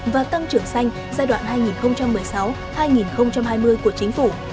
và tăng trưởng xanh giai đoạn hai nghìn một mươi sáu hai nghìn hai mươi của chính phủ